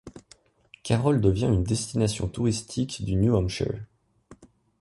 Carroll devient une destination touristique du New Hampshire.